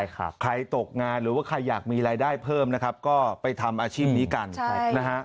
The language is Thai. ใครตกงานหรือว่าใครอยากมีรายได้เพิ่มนะครับก็ไปทำอาชีพนี้กันนะฮะ